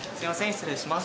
失礼します。